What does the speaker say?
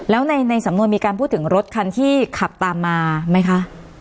แล้วในสำนวนมีการพูดถึงรถคันที่ขับตามมาไหมคะ